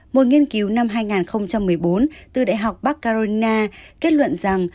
một nghiên cứu năm hai nghìn một mươi bốn từ đại học bắc carolina kết luận rằng